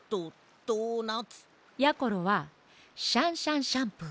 やころは「シャンシャンシャンプー」。